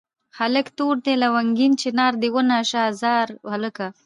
هلکه توره دې لونګۍ چنار دې ونه شاه زار هلکه.